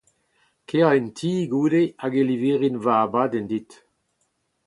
Kae en ti goude hag e livirin ma abadenn dit.